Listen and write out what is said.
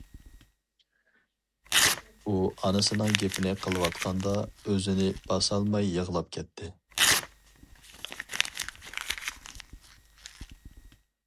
ئۇ ئانىسىنىڭ گېپىنى قىلىۋاتقاندا ئۆزىنى باسالماي يىغلاپ كەتتى.